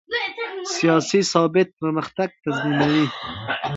سیاسي ثبات پرمختګ تضمینوي